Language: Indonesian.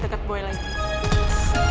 tidak ada yang lagi di rumah sakit